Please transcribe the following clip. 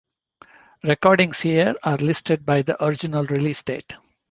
Recordings here are listed by their original release date.